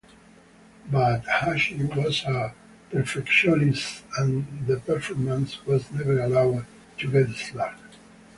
But Asche was a perfectionist, and the performance was never allowed to get slack.